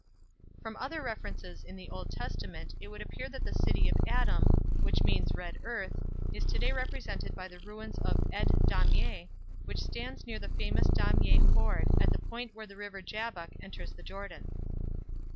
From other references in the Old Testament it would appear that the city of Adam, which means red earth, is to day represented by the ruins of Ed Damieh, which stands near the famous Damieh ford at the point where the river Jabbok enters the Jordan.